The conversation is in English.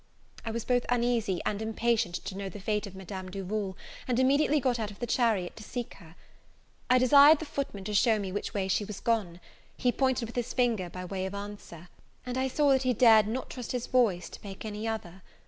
I was both uneasy and impatient to know the fate of Madame Duval, and immediately got out of the chariot to seek her. I desired the footman to show me which way she was gone; he pointed with his finger by way of answer, and I saw that he dared not trust his voice to make any other.